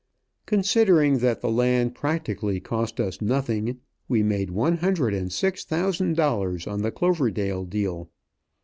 Considering that the land practically cost us nothing, we made one hundred and six thousand dollars on the Cloverdale deal.